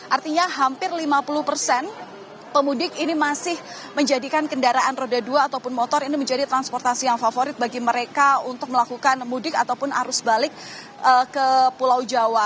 artinya hampir lima puluh persen pemudik ini masih menjadikan kendaraan roda dua ataupun motor ini menjadi transportasi yang favorit bagi mereka untuk melakukan mudik ataupun arus balik ke pulau jawa